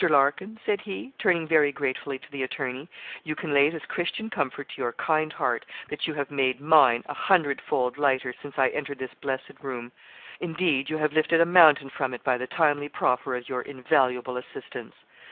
Larkin,' said he, turning very gratefully to the attorney 'you can lay this Christian comfort to your kind heart, that you have made mine a hundredfold lighter since I entered this blessed room; indeed, you have lifted a mountain from it by the timely proffer of your invaluable assistance.'